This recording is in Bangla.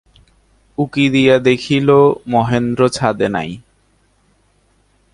উঁকি দিয়া দেখিল, মহেন্দ্র ছাদে নাই।